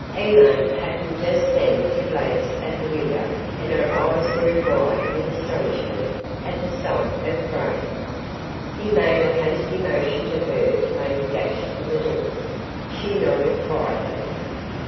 Elaine happened just then to glance at the window and her eyes grew wide with astonishment at the sight of Craig. He made a hasty motion to her to make a dash for the door. She nodded quietly.